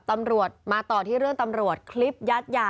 ตำรวจมาต่อที่เรื่องตำรวจคลิปยัดยา